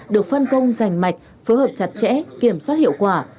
được phân công rành mạch phối hợp chặt chẽ kiểm soát hiệu quả